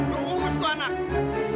lo urus tuh anak